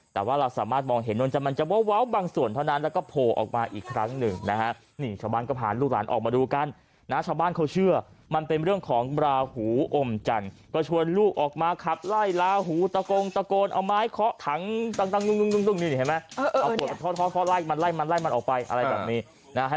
แต่ว่าเราสามารถมองเห็นมันจะเว้าบางส่วนเท่านั้นแล้วก็โผล่ออกมาอีกครั้งหนึ่งนะฮะนี่ชาวบ้านก็พาลูกหลานออกมาดูกันนะชาวบ้านเขาเชื่อมันเป็นเรื่องของราหูอมจันทร์ก็ชวนลูกออกมาขับไล่ลาหูตะโกงตะโกนเอาไม้เคาะถังตั้งนี่เห็นไหมเอาขวดมาทอดไล่มันไล่มันไล่มันออกไปอะไรแบบนี้นะฮะ